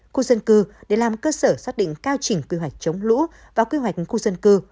khu dân cư để làm cơ sở xác định cao chỉnh quy hoạch chống lũ và quy hoạch khu dân cư